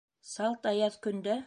Салт аяҙ көндә?